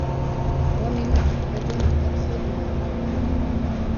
وَمِنْ بَدَنِك الْخُضُوعَ